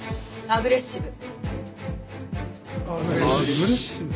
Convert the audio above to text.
アグレッシブ！